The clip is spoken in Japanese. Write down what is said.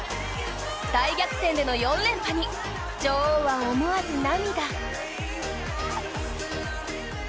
大逆転での４連覇に、女王は思わず涙。